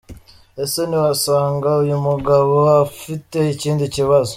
Ese ntiwasanga uyu mugabo afite ikindi kibazo ?.